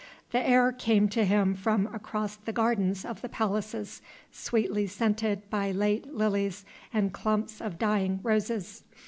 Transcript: The air came to him from across the gardens of the palaces, sweetly scented by late lilies and clumps of dying roses.